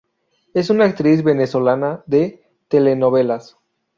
Es una actriz venezolana de telenovelas.